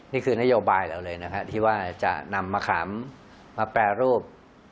นี่คือนโยบายเราเลยนะฮะที่ว่าจะนำมะขามมาแปรรูป